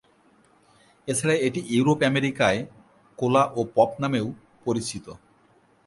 এছাড়া এটি ইউরোপ-আমেরিকায় কোলা ও পপ নামেও পরিচিত।